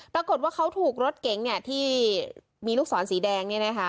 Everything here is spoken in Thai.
ปรากฏว่าเขาถูกรถเก๋งเนี่ยที่มีลูกศรสีแดงเนี่ยนะคะ